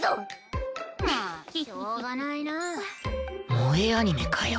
萌えアニメかよ